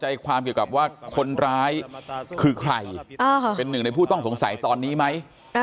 ใจความเกี่ยวกับว่าคนร้ายคือใครเป็นหนึ่งในผู้ต้องสงสัยตอนนี้ไหม